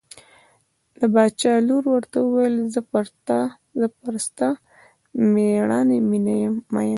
د باچا لور ورته وویل زه پر ستا مېړانې مینه یم.